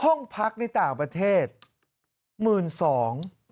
ห้องพักในต่างประเทศ๑๒๐๐๐บาท